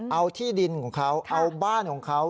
เอาที่ดินของเขาเอาบ้านของเขา